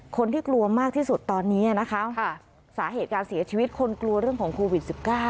คนที่กลัวมากที่สุดตอนนี้นะคะสาเหตุการเสียชีวิตคนกลัวเรื่องของโควิด๑๙